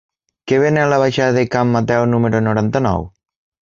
Què venen a la baixada de Can Mateu número noranta-nou?